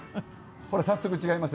ほら「早速違います」。